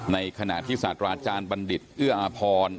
ในขณะที่สัตว์ราชาญบัณฑิตเอื้ออาพร